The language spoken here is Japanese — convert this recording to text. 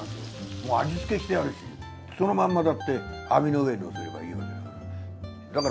もう味付けしてあるしそのまんまだって網の上乗せればいいわけだから。